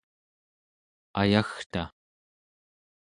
ayagta